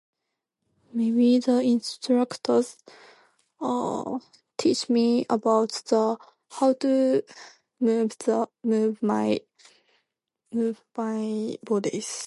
Maybe the instructors will teach me about the how to move the- move my... move my bodies.